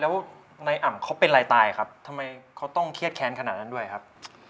แล้วในอ่ำเขาเป็นไรตายครับเธอต้องเทียดแครนขนานั้นด้วยครับ